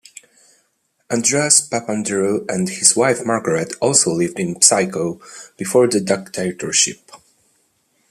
Andreas Papandreou and his wife Margaret also lived in Psychiko before the dictatorship.